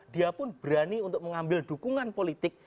dia pun berani untuk mengambil dukungan politik